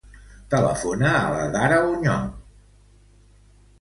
Telefona a la Dara Auñon.